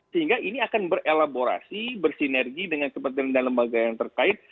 sehingga ini akan berelaborasi bersinergi dengan kementerian dan lembaga yang terkait